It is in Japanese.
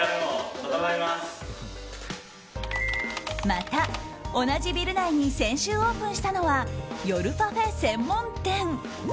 また、同じビル内に先週オープンしたのは夜パフェ専門店。